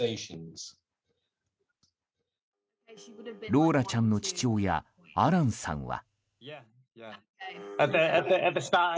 ローラちゃんの父親アランさんは。